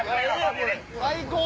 最高！